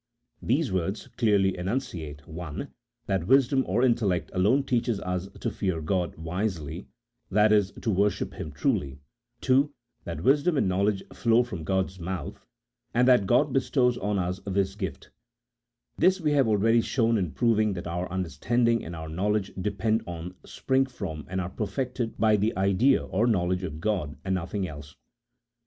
These words clearly enunciate (1), that wisdom or intellect alone teaches us to fear God wisely — that is, to worship Him truly; (2), that wisdom and know ledge flow from God's mouth, and that God bestows on us this gift ; this we have already shown in proving that our understanding and our knowledge depend on, spring from, and are perfected by the idea or knowledge of God, and nothing else.